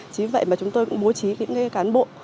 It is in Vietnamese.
chính vậy mà chúng tôi cũng mối trí với những cán bộ